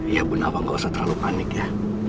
ya bu nawang gak usah terlalu panik ya